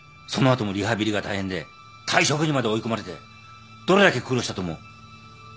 その後もリハビリが大変で退職にまで追い込まれてどれだけ苦労したと思う。